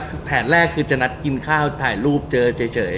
กลับเธอแรกที่จะนัดกินข้าวถ่ายรูปเจอเจ๋ย